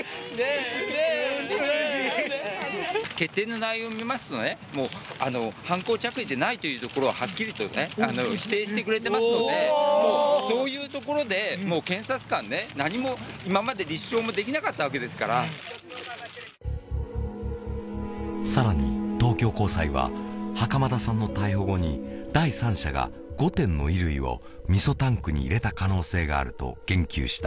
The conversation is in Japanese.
え決定の内容を見ますとねもう犯行着衣でないというところははっきりとね否定してくれてますのでそういうところでもう検察官ね何も今まで立証もできなかったわけですからさらに東京高裁は袴田さんの逮捕後に第三者が５点の衣類をみそタンクに入れた可能性があると言及した